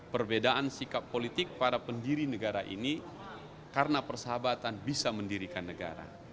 perbedaan sikap politik para pendiri negara ini karena persahabatan bisa mendirikan negara